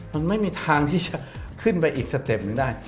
มันไม่มีทางที่จะขึ้นไปอีกสเต็ปหนึ่งได้